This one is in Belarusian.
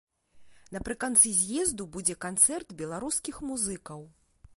Напрыканцы з'езду будзе канцэрт беларускіх музыкаў.